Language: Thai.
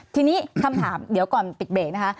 ทีนี้คำถามเดี๋ยวก่อนปิดเบรกนะคะ